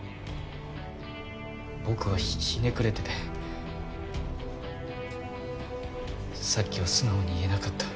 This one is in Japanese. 僕はひねくれててさっきは素直に言えなかった。